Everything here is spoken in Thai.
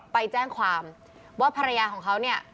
ไปแจ้งความว่าภรรยาของเขาเนี่ย